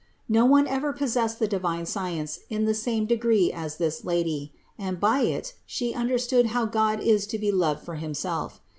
No one ever possessed the divine science in the same degree as this Lady, and by it She under stood how God is to be loved for Himself.